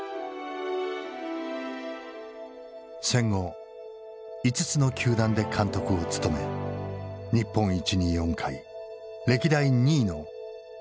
戦後５つの球団で監督を務め日本一に４回歴代２位の１，６８７勝を挙げた。